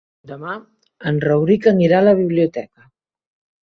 Demà en Rauric anirà a la biblioteca.